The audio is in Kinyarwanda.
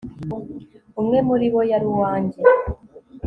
umwe muri bo yari uwanjye